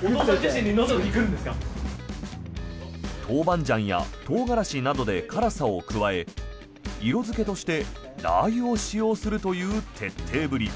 トウバンジャンやトウガラシなどで辛さを加え色付けとしてラー油を使用するという徹底ぶり。